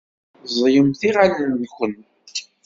Ẓẓlemt iɣallen-nkumt.